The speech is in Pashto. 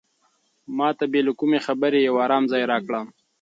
ما ته بې له کومې خبرې یو ارام ځای راکړه.